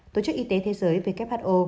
tổ chức y tế thế giới who